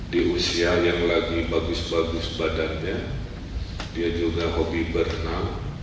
di usia yang lagi bagus bagus badannya dia juga hobi berenang